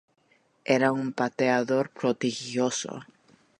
Era un pateador prodigioso.